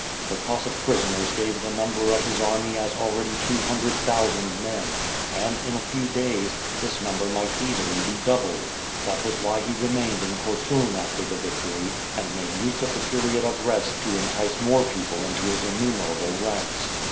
The Cos sack prisoners gave the number of his army as already two hundred thousand men and, in a few days, this number might easily be doubled. That was why he remained in Korsun after the victory, and made use of the period of rest to entice more people into his innumerable ranks.